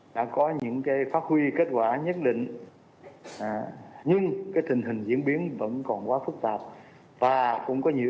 đã có những phát huy kết quả nhất định nhưng tình hình diễn biến vẫn còn quá phức tạp và cũng có nhiều